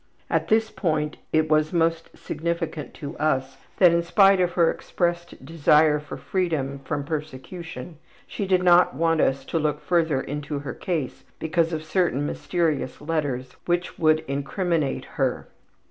At this period it was most significant to us that in spite of her expressed desire for freedom from persecution she did not want us to look further into her case because of certain mysterious letters which would incriminate her.